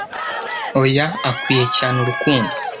oya akwiye cyane urukundo